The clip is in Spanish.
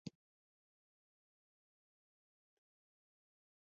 Es parte de la megalópolis de la Región Metropolitana de Bangkok.